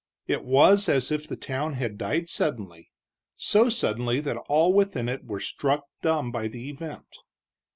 It was as if the town had died suddenly, so suddenly that all within it were struck dumb by the event.